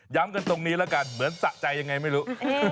กันตรงนี้แล้วกันเหมือนสะใจยังไงไม่รู้